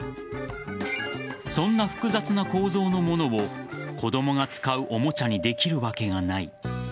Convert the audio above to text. そんな複雑な構造のものを子供が使うおもちゃにできるわけがない。